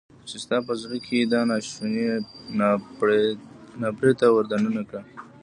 چې ستا په زړه کې يې دا ناشونی ناپړیته ور دننه کړه.